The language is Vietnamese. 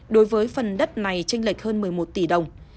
đối với phần đất này tranh lệch hơn một mươi một tỷ đồng